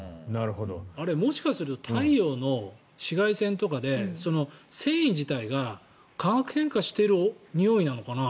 もしかすると太陽の紫外線とかで繊維自体が化学変化しているにおいなのかな？